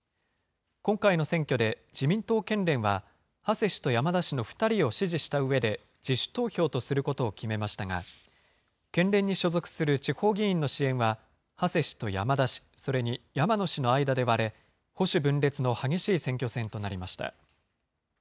今回の選挙で自民党県連は馳氏と山田氏の２人を支持したうえで、自主投票とすることを決めましたが、県連に所属する地方議員の支援は、馳氏と山田氏、それに山野氏の間で割れ、保守分裂の激しい選挙戦となりました。